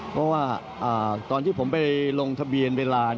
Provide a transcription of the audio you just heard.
เพราะว่าตอนที่ผมไปลงทะเบียนเวลา